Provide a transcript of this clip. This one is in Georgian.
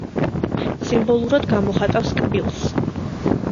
სიმბოლურად გამოხატავს კბილს.